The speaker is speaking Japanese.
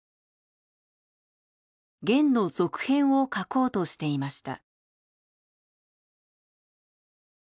『ゲン』の続編を描こうとしていました。